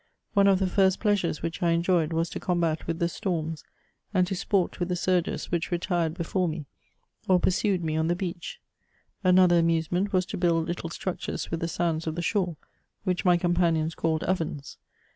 One of the first pleasures which 1 enjoyed was to combat with the storms, and to sport with the surges which retired before me, or pursued me on the beach. Another amusement was to build little structures with the sands of the shore, which my companions called ovens.